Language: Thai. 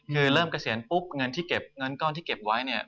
คือเริ่มเกษียณปุ๊บเงินก้อนที่เก็บไว้เนี่ย